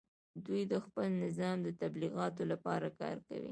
دوی د خپل نظام د تبلیغاتو لپاره کار کوي